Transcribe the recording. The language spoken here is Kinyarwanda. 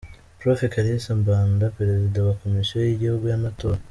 Prof Kalisa Mbanda, Perezida wa Komisiyo y’Igihugu y’Amatora.